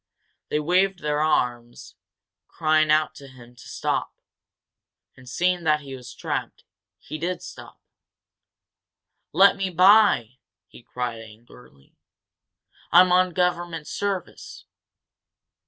They waved their arms, crying out to him to stop, and, seeing that he was trapped, he did stop. "Let me by," he cried, angrily. "I'm on government service!"